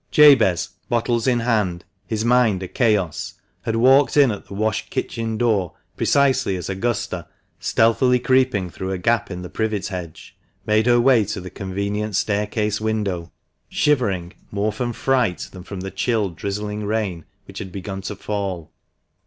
A B E Z, bottles in hand, his mind a chaos, had walked in at the wash kitchen door precisely as Augusta, ^ stealthily creeping through ^ a gap in the privet hedge, made her way to the con venient staircase window, shivering more from fright than from the chill drizzling rain which had begun to fall.